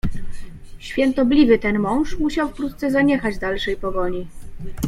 "Świętobliwy ten mąż musiał wkrótce zaniechać dalszej pogoni."